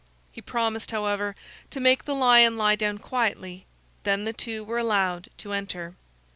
He promised, however, to make the lion lie down quietly; then the two were allowed to enter.